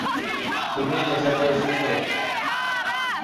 তুমি নেশা করে এসেছো?